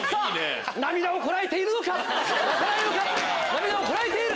涙をこらえているのか⁉泣かないのか涙をこらえている！